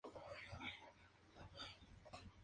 Actualmente es un importante núcleo agrícola.